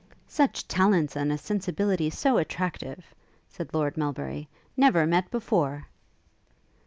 'Such talents and a sensibility so attractive,' said Lord Melbury, 'never met before!'